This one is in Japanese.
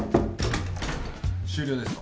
終了ですか？